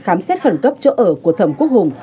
khám xét khẩn cấp chỗ ở của thẩm quốc hùng